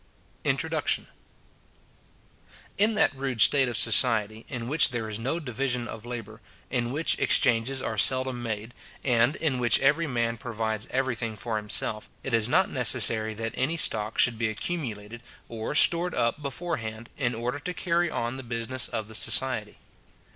INTRODUCTION. In that rude state of society, in which there is no division of labour, in which exchanges are seldom made, and in which every man provides every thing for himself, it is not necessary that any stock should be accumulated, or stored up before hand, in order to carry on the business of the society.